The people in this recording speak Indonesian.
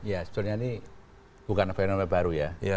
ya sebetulnya ini bukan fenomena baru ya